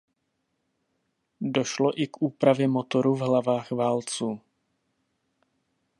Došlo i k úpravě motoru v hlavách válců.